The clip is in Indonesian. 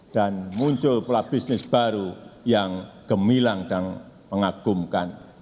dan muncul pola bisnis baru yang gemilang dan mengagumkan